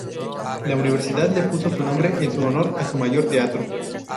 La Universidad le puso su nombre en su honor a su mayor teatro.